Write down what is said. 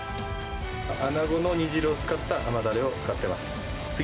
アナゴの煮汁を使った甘だれを使ってます。